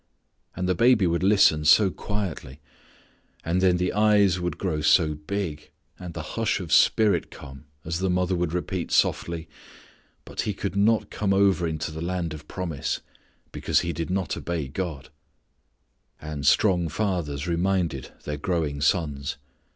And the baby would listen so quietly, and then the eyes would grow so big and the hush of spirit come as the mother would repeat softly, "but he could not come over into the land of promise because he did not obey God." And strong fathers reminded their growing sons.